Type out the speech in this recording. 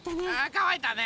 かわいたね！